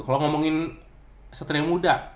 kalau ngomongin seter yang muda